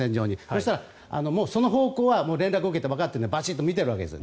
そしたら、その方向は連絡受けてわかっているのでバチンと見ているわけです。